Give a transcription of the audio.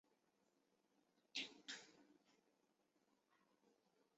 谭芷翎是香港戏剧演员。